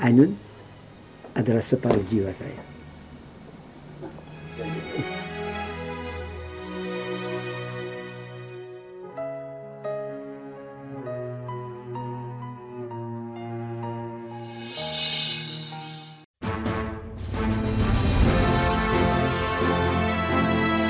ainun adalah separuh jiwa saya